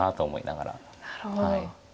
なるほど。